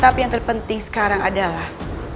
tapi yang terpenting sekarang adalah